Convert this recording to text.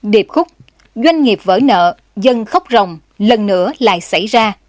điệp khúc doanh nghiệp vỡ nợ dân khóc rồng lần nữa lại xảy ra